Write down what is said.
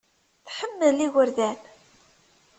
Tḥemmel igerdan.